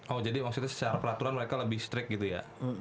oh jadi maksudnya secara peraturan mereka lebih strict gitu ya